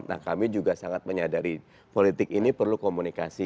nah kami juga sangat menyadari politik ini perlu komunikasi